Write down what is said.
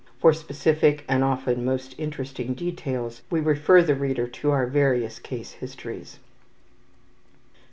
For specific and often most interesting details we refer the reader to our various case histories.